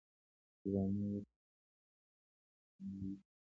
ډرامه د ټولنیزو ارزښتونو ښکارندويي کوي